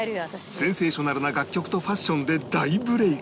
センセーショナルな楽曲とファッションで大ブレーク